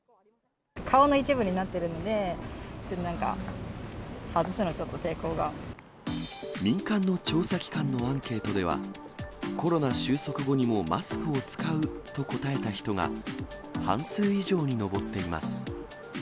顔の一部になってるので、民間の調査機関のアンケートでは、コロナ収束後にもマスクを使うと答えた人が、半数以上に上っています。